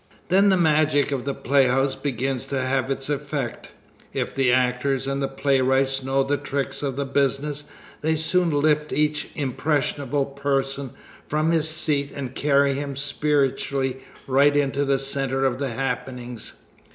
Then the magic of the playhouse begins to have its effect. If the actors and the playwrights know the tricks of the business, they soon lift each impressionable person from his seat and carry him spiritually right into the center of the happenings.